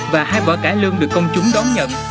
và hai vở cải lương được công chúng đón nhận